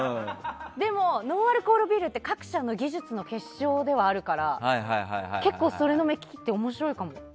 でも、ノンアルコールビールって各社の技術の結晶ではあるから結構、それの目利きって面白いかも。